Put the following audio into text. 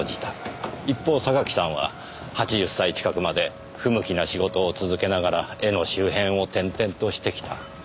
一方榊さんは８０歳近くまで不向きな仕事を続けながら絵の周辺を転々としてきた。